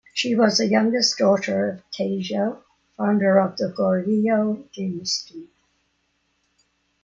She was the youngest daughter of Taejo, founder of the Goryeo dynasty.